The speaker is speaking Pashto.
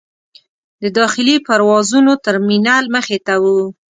د داخلي پروازونو ترمینل مخې ته و.